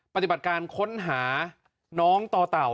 ปฏิบัติการค้นหาน้องต่อเต่า